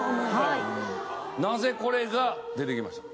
なぜこれが出てきましたか？